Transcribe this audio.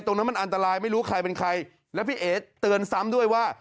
ตรงนั้นมันอันตรายไม่รู้ใครเป็นใครแล้วพี่เอ๋เตือนซ้ำด้วยว่า